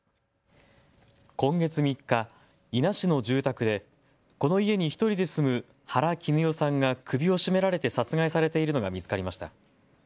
今月３日、伊那市の住宅でこの家に１人で住む原貴努代さんが首を絞められて殺害されているのが見つかりました。